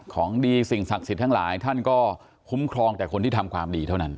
ของดีสิ่งศักดิ์สิทธิ์ทั้งหลายท่านก็คุ้มครองแต่คนที่ทำความดีเท่านั้น